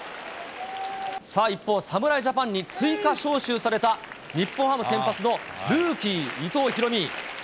さあ、一方、侍ジャパンに追加招集された、日本ハム先発のルーキー、伊藤大海。